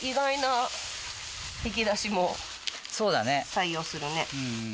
採用するね。